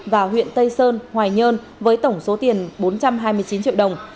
và huyện tây sơn hoài nhơn với tổng số tiền bốn trăm hai mươi chín triệu đồng